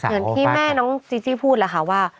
อย่างที่แม่น้องจีจี้พูดแหละค่ะว่า